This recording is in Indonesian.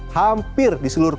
hampir di seluruh kota